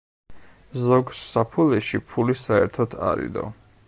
ზოგ საფულეში ფული საერთოდ არ იდო.